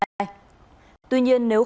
tuy nhiên nếu không có kênh